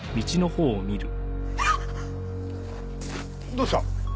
どうした？